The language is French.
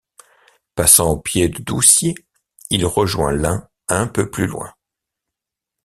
Passant au pied de Doucier, il rejoint l'Ain un peu plus loin.